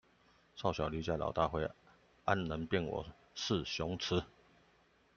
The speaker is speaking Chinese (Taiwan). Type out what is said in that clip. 少小離家老大回，安能辨我是雄雌